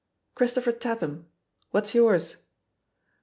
'* "Christopher Tatham. What's yours?"